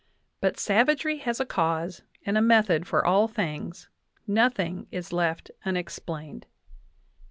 But savagery has has a cause and a method for all things; nothing is left unexplained" (pp.